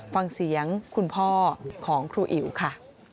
ฟังเสียงคุณพ่อของครูอิ๋วค่ะ